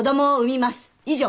以上。